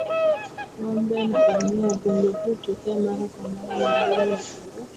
Ngombe na ngamia Ugonjwa huu hutokea mara kwa mara miongoni mwa kondoo